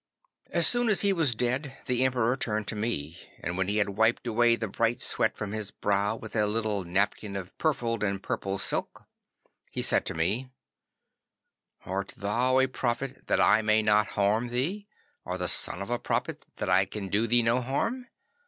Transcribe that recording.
'As soon as he was dead the Emperor turned to me, and when he had wiped away the bright sweat from his brow with a little napkin of purfled and purple silk, he said to me, "Art thou a prophet, that I may not harm thee, or the son of a prophet, that I can do thee no hurt?